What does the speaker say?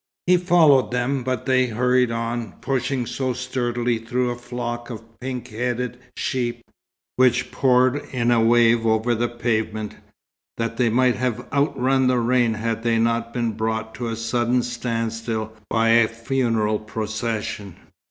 He followed them, but they hurried on, pushing so sturdily through a flock of pink headed sheep, which poured in a wave over the pavement, that they might have out run the rain had they not been brought to a sudden standstill by a funeral procession.